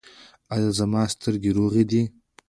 ایا زما سترګې روغې دي؟